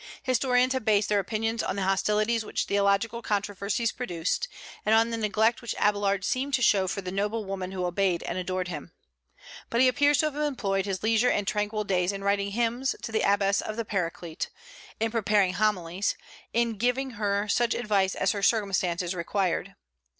Historians have based their opinions on the hostilities which theological controversies produced, and on the neglect which Abélard seemed to show for the noble woman who obeyed and adored him. But he appears to have employed his leisure and tranquil days in writing hymns to the abbess of the Paraclete, in preparing homilies, and in giving her such advice as her circumstances required.